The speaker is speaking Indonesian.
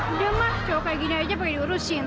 udah mah cowok kayak gini aja pake diurusin